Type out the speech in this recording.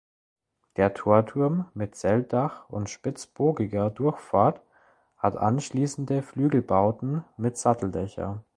Der Torturm mit Zeltdach und spitzbogiger Durchfahrt hat anschließende Flügelbauten mit Satteldächer.